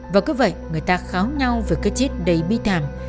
và cứ vậy người ta kháo nhau về cái chết đầy bi thảm